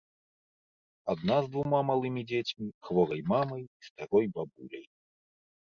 Адна з двума малымі дзецьмі, хворай мамай і старой бабуляй.